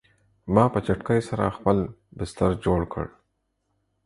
ما په چټکۍ سره خپل بستر جوړ کړ